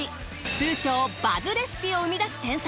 通称バズレシピを生み出す天才。